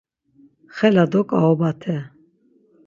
Xela do ǩaobate.